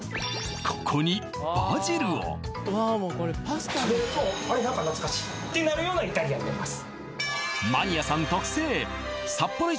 ここにバジルを食べるとあれ何か懐かしいってなるようなイタリアンになります